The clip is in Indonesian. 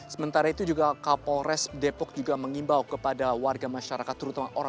sementara itu juga kapolres depok juga mengimbau kepada warga masyarakat terutama